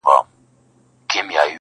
تا خو د خپل وجود زکات کله هم ونه ايستی.